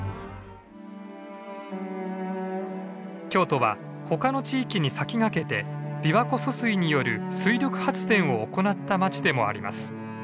京都は他の地域に先駆けて琵琶湖疎水による水力発電を行った町でもあります。